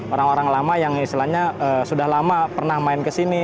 orang orang lama yang istilahnya sudah lama pernah main kesini